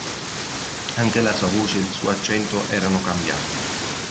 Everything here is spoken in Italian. Anche la sua voce ed il suo accento erano cambiati.